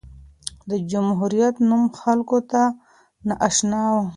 د جمهوریت نوم خلکو ته نااشنا و.